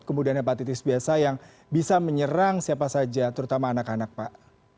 kemudian hepatitis biasa yang bisa menyerang siapa saja terutama anak anak pak